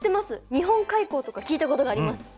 日本海溝とか聞いたことがあります。